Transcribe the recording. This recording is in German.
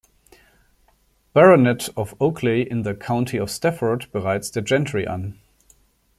Baronet, of Oakley in the County of Stafford, bereits der Gentry an.